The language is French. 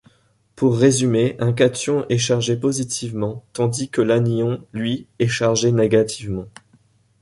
Pour résumer, un cation est chargé positivement tandis que l'anion lui est chargé négativement.